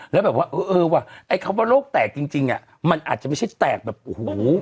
แล้วแบบว่าเออเออว่ะไอ้คำว่าโรคแตกจริงอ่ะมันอาจจะไม่ใช่แตกแบบโอ้โห